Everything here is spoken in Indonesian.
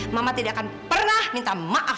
mama tidak akan pernah minta maaf